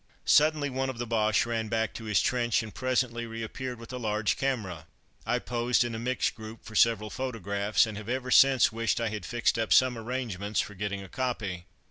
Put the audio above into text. Suddenly, one of the Boches ran back to his trench and presently reappeared with a large camera. I posed in a mixed group for several photographs, and have ever since wished I had fixed up some arrangement for getting a copy.